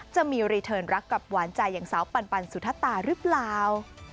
จะมีรีเทิร์นรักกับหวานใจอย่างสาวปันสุธตาหรือเปล่า